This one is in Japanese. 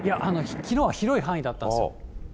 きのうは広い範囲だったんですよ。